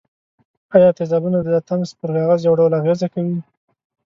آیا تیزابونه د لتمس پر کاغذ یو ډول اغیزه کوي؟